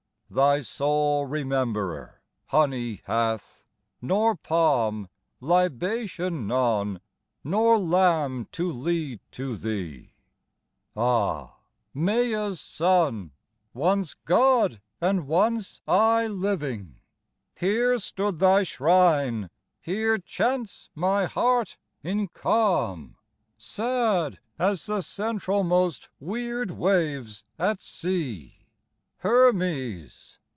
Thy sole rememberer honey hath, nor palm, Libation none, nor lamb to lead to thee, Ah, Maia's son! once god, and once aye living. Here stood thy shrine: here chants my heart in calm Sad as the centralmost weird wave's at sea, Hermes!